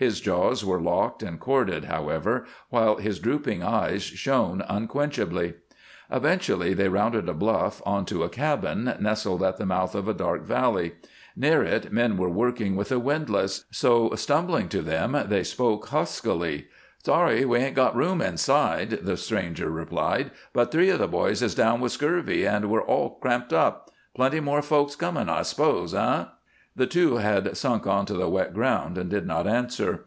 His jaws were locked and corded, however, while his drooping eyes shone unquenchably. Eventually they rounded a bluff on to a cabin nestling at the mouth of a dark valley. Near it men were working with a windlass, so, stumbling to them, they spoke huskily. "Sorry we 'ain't got room inside," the stranger replied, "but three of the boys is down with scurvy, and we're all cramped up. Plenty more folks coming, I s'pose, eh?" The two had sunk on to the wet ground and did not answer.